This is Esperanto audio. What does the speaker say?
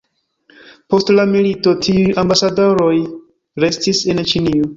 Post la milito, tiuj ambasadoroj restis en Ĉinio.